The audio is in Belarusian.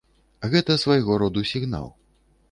Гэта свайго роду сігнал.